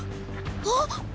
あっ！